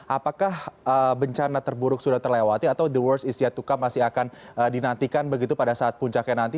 apakah bencana terburuk sudah terlewati atau the worst is yet to cup masih akan dinantikan begitu pada saat puncaknya nanti